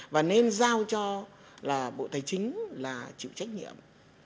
và nên giao cho là bộ tài chính là chịu trách nhiệm